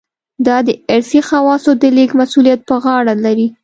دا د ارثي خواصو د لېږد مسوولیت په غاړه لري.